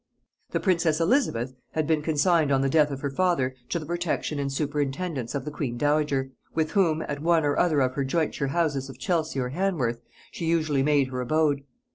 The princess Elizabeth had been consigned on the death of her father to the protection and superintendance of the queen dowager, with whom, at one or other of her jointure houses of Chelsea or Hanworth, she usually made her abode.